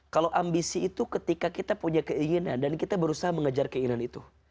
kalau ambisi itu ketika kita punya keinginan dan kita berusaha mengejar keinginan itu